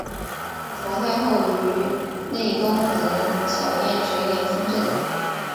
曹太后于内东门小殿垂帘听政。